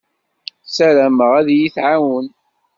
Ssarameɣ ad iyi-tɛawen.